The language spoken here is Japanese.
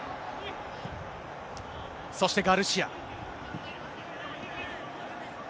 そしてガルシア。